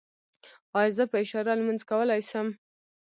ایا زه په اشاره لمونځ کولی شم؟